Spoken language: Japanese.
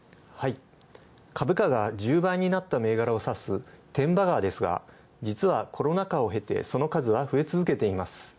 株価が１０倍になったテンバガーですが、実はコロナ禍を経てその数は増え続けています。